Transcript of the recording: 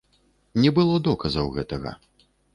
Не было доказаў гэтага.